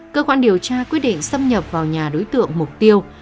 cơ quan điều tra quyết định xâm nhập vào nhà đối tượng mục tiêu